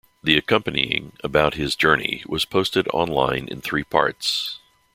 The accompanying about his journey was posted online in three parts.